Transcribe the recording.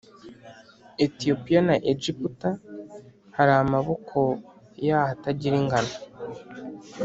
Etiyopiya na Egiputa hari amaboko yaho atagira ingano